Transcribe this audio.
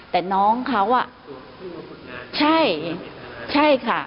แต่น้องเขาอ่ะใช่ใช่ค่ะ